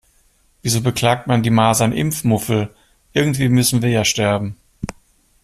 Wieso beklagt man die Masernimpfmuffel, irgendwie müssen wir ja sterben.